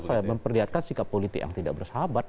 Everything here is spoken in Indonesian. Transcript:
saya memperlihatkan sikap politik yang tidak bersahabat